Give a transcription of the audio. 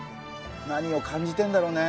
何を感じてんだろうね。